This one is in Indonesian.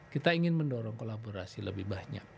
kita ingin mendorong kolaborasi lebih banyak